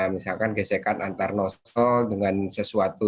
misalkan gesekan antar nostall dengan sesuatu